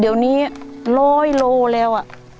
เดี๋ยวนี้๑๐๐โลแล้ว